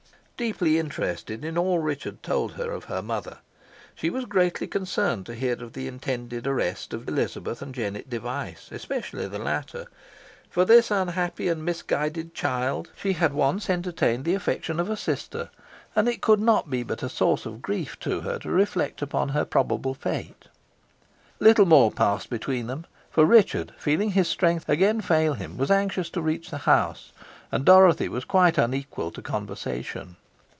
Deeply interested in all Richard told her of her mother, she was greatly concerned to hear of the intended arrest of Elizabeth and Jennet Device, especially the latter. For this unhappy and misguided child she had once entertained the affection of a sister, and it could not but be a source of grief to her to reflect upon her probable fate. Little more passed between them, for Richard, feeling his strength again fail him, was anxious to reach the house, and Dorothy was quite unequal to conversation.